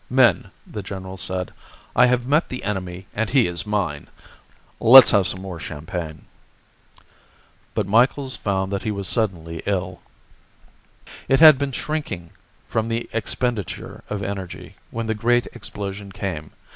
"Men," the general said, "I have met the enemy and he is mine. Let's have some more champagne." But Micheals found that he was suddenly ill. It had been shrinking from the expenditure of energy, when the great explosion came.